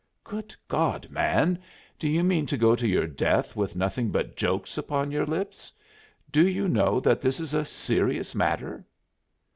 "Good God, man! do you mean to go to your death with nothing but jokes upon your lips? Do you know that this is a serious matter?"